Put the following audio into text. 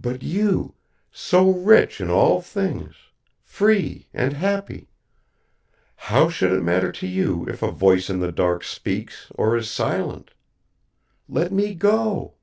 But you, so rich in all things, free and happy how should it matter to you if a voice in the dark speaks or is silent? Let me go."